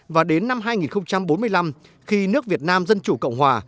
và đến năm hai nghìn bốn mươi năm khi nước việt nam dân chủ cộng hòa